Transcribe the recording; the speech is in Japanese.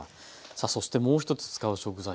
さあそしてもう一つ使う食材